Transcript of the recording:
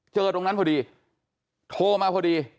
ตรงนั้นพอดีโทรมาพอดี